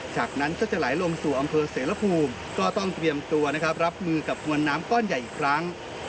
จากนั้นก็จะไหลลงสู่อำเภอเสรภูมิก็ต้องเตรียมตัวนะครับรับมือกับมวลน้ำก้อนใหญ่อีกครั้ง